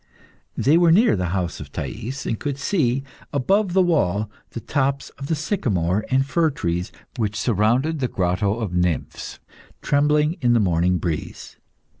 They were near the house of Thais, and could see, above the wall, the tops of the sycamore and fir trees, which surrounded the Grotto of Nymphs, tremble in the morning breeze.